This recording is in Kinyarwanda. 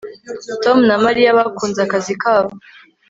Tom na Mariya bakunze akazi kabo